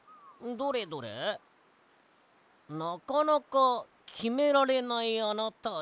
どれどれ「なかなかきめられないあなたへ」？